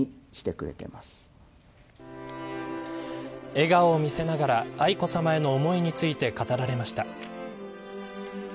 笑顔を見せながら愛子さまへの思いについて語られました。